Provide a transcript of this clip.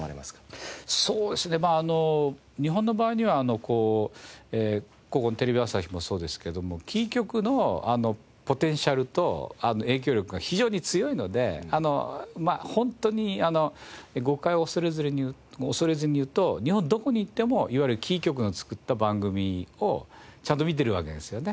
そうですねまああの日本の場合にはここテレビ朝日もそうですけどもキー局のポテンシャルと影響力が非常に強いのでホントに誤解を恐れずに言うと日本どこに行ってもいわゆるキー局の作った番組をちゃんと見てるわけですよね。